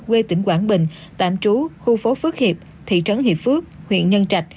quê tỉnh quảng bình tạm trú khu phố phước hiệp thị trấn hiệp phước huyện nhân trạch